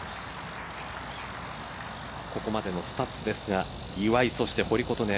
ここまでのスタッツですが岩井そして堀琴音